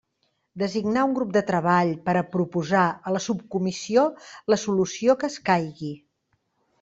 Designar un Grup de Treball per a proposar a la Subcomissió la solució que escaigui.